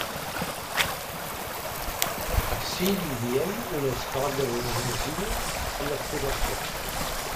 Ací vivíem un esclat de burgesia amb aspiracions.